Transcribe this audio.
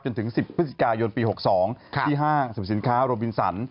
จนถึง๑๐พฤศจิกายนปี๖๒ที่ห้างสรรพสินค้าโรบินสัน